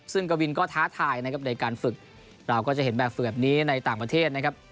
ซึ่งกวินก็ท้าทายนะครับในการฝึกเราก็จะเห็นแบบฝึกแบบนี้ในต่างประเทศนะครับ